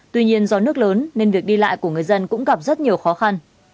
tuy nhiên do nước lớn nên việc đi lại của người dân cũng gặp rất nhiều khó khăn